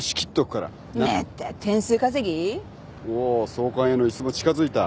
総監への椅子も近づいた。